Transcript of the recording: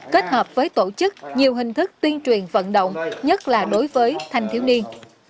kết hợp với tổ chức nhiều hình thức tuyên truyền vận động nhất là đối với thanh thiếu niên